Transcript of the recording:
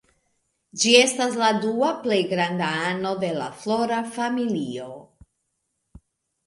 Ĝi estas la dua plej granda ano de la Flora familio.